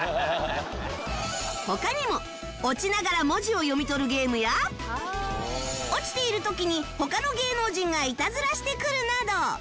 他にも落ちながら文字を読み取るゲームや落ちている時に他の芸能人がいたずらしてくるなど